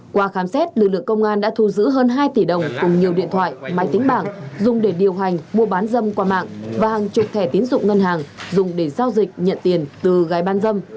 qua khám xét lực lượng công an đã thu giữ hơn hai tỷ đồng cùng nhiều điện thoại máy tính bảng dùng để điều hành mua bán dâm qua mạng và hàng chục thẻ tiến dụng ngân hàng dùng để giao dịch nhận tiền từ gái bán dâm